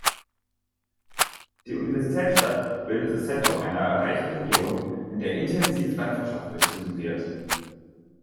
Die Universitätsstadt bildet das Zentrum einer reichen Region, in der intensiv Landwirtschaft betrieben wird.